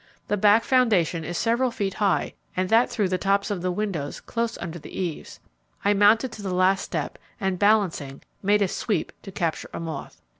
The back foundation is several feet high and that threw the tops of the windows close under the eaves. I mounted to the last step and balancing made a sweep to capture a moth.